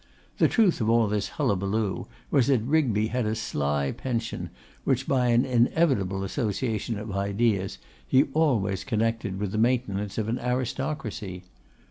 The truth of all this hullabaloo was that Rigby had a sly pension which, by an inevitable association of ideas, he always connected with the maintenance of an aristocracy.